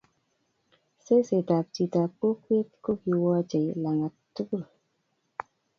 Seset ab chi ab kokwet ko ki wache langat tukul